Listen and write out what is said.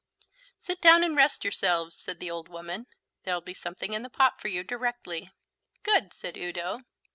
"Sit down and rest yourselves," said the old woman. "There'll be something in the pot for you directly." "Good," said Udo.